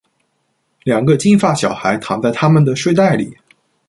两个金发小孩躺在他们的睡袋里。